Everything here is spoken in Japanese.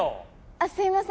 あっすいません。